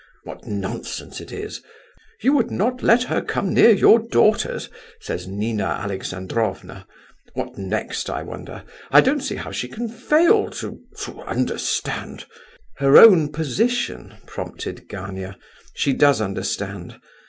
What nonsense it is! You would not let her come near your daughters, says Nina Alexandrovna. What next, I wonder? I don't see how she can fail to—to understand—" "Her own position?" prompted Gania. "She does understand.